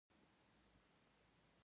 یوازې د مذهبي مدرسو له لارې وده کولای شي.